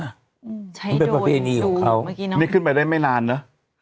ใช้โดนมันเป็นประเภณีของเขาเมื่อกี้น้องนี่ขึ้นไปได้ไม่นานเนอะ